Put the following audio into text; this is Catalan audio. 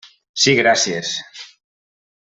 Sí, gràcies.